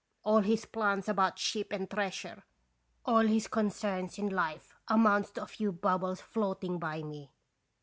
All his plans about ship and treasure, all his concern in life amounts to a few bubbles floating by me